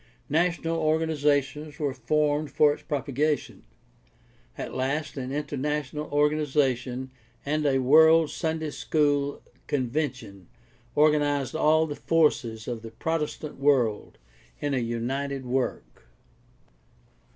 National organizations were formed for its propagation. At last an international organization and a World's Sunday School Con PRACTICAL THEOLOGY 645 vention organized all the forces of the Protestant world in a united work.